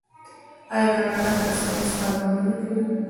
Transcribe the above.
آیا کاناډا په ساینس پانګونه نه کوي؟